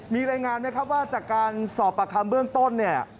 มีรายงานไหมครับว่าจากการสอบปากคำเบื้องต้นเนี่ย